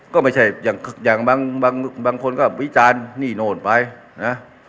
ก็ไม่ใช่อย่างอย่างบางบางบางคนก็วิจารณ์หนี้โน้นไปนะฮะ